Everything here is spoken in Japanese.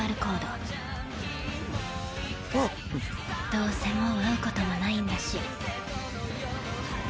どうせもう会うこともないんだし。